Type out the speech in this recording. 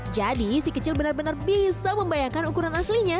jadi si kecil benar benar bisa membayangkan ukuran aslinya